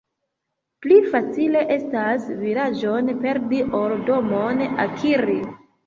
Pli facile estas vilaĝon perdi, ol domon akiri.